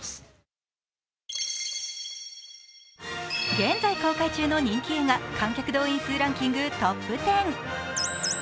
現在公開中の人気映画観客動員数ランキングトップ１０。